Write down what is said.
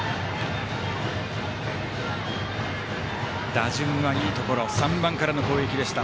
打順はいいところ３番からの攻撃でした。